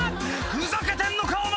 「ふざけてんのかお前ら！」